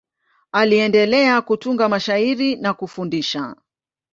Aliendelea kutunga mashairi na kufundisha.